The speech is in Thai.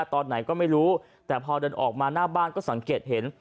ตอนไหนก็ไม่รู้แต่พอเดินออกมาหน้าบ้านก็สังเกตเห็น